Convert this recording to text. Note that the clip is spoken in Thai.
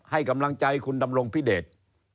ให้กำลังใจคุณดำรงพิเดช